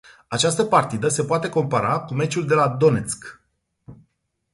Această partidă se poate compara cu meciul de la Donețk.